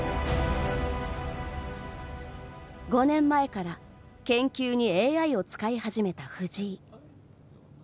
５年前から研究にＡＩを使い始めた藤井。